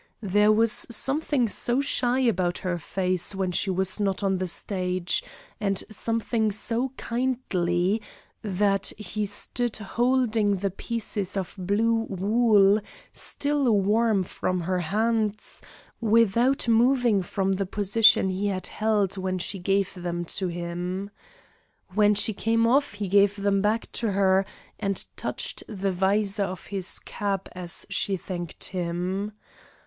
There was something so shy about her face when she was not on the stage, and something so kindly, that he stood holding the pieces of blue wool, still warm from her hands, without moving from the position he had held when she gave them to him. When she came off he gave them back to her and touched the visor of his cap as she thanked him.